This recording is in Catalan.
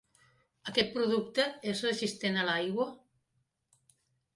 Aquest producte és resistent a l'aigua?